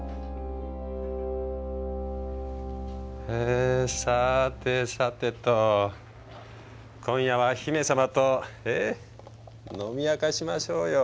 えさてさてと今夜は姫様とえっ飲み明かしましょうよ。